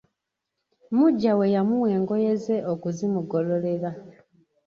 Muggya we yamuwa engoye ze okuzimugololera.